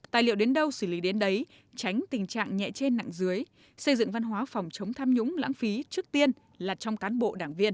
tài liệu đến đâu xử lý đến đấy tránh tình trạng nhẹ trên nặng dưới xây dựng văn hóa phòng chống tham nhũng lãng phí trước tiên là trong cán bộ đảng viên